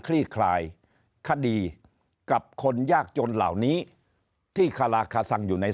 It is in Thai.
ลี่คลายคดีกับคนยากจนเหล่านี้ที่คาราคาซังอยู่ใน